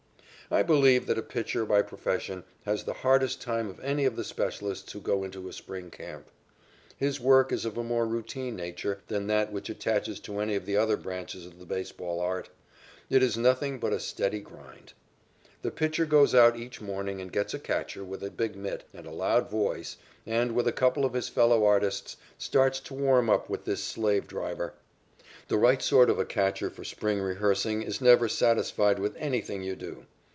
I believe that a pitcher by profession has the hardest time of any of the specialists who go into a spring camp. His work is of a more routine nature than that which attaches to any of the other branches of the baseball art. It is nothing but a steady grind. The pitcher goes out each morning and gets a catcher with a big mitt and a loud voice and, with a couple of his fellow artists, starts to warm up with this slave driver. The right sort of a catcher for spring rehearsing is never satisfied with anything you do.